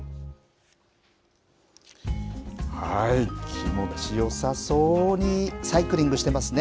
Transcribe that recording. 気持ちよさそうにサイクリングしてますね。